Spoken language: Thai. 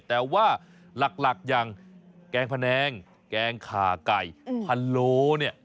แต่ว่าหลักอย่างแกงพะแนงแกงขาไก่พะโล้เนี่ย